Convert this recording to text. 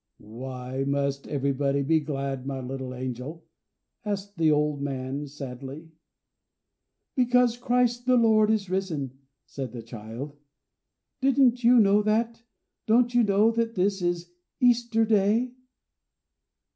"Why must everybody be glad, my little angel?" asked the old man, sadly. "Because Christ the Lord is risen," said the child. "Didn't you know that? Don't you know that this is Easter Day?"